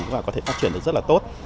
và có thể phát triển được rất là tốt